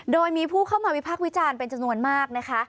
โดยมีผู้เข้ามาวิพักษ์วิจารณ์เป็นจำนวนมากนะคะ